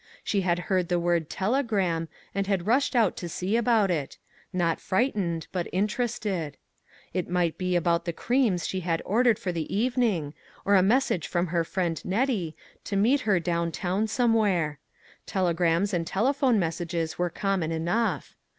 She had heard the word " telegram " and had rushed out to see about it; not frightened, but interested. It might be about the creams she had ordered for the evening, or a message from her friend Net tie to meet her down town somewhere; tele MAG AND MARGARET grams and telephone messages were common enough.